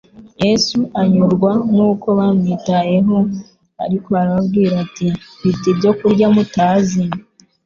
Yesu anyurwa n'uko bamwitayeho, ariko arababwira ati: "Mfite ibyo kurya mutazi."